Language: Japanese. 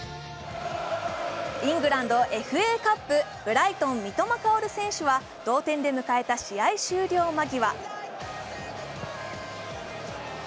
イングランド・ＦＡカップ、ブライトン・三笘薫選手は同点で迎えた試合終了間際。